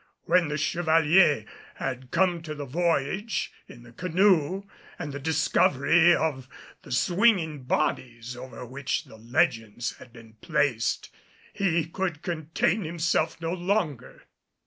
When the Chevalier had come to the voyage in the canoe and the discovery of the swinging bodies over which the legends had been placed, he could contain himself no longer.